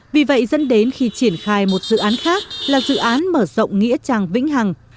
vì vậy dẫn đến khi triển khai một dự án khác là dự án mở rộng nghĩa trang vĩnh hằng